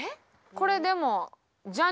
これでも。